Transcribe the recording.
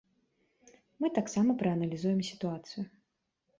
Мы таксама прааналізуем сітуацыю.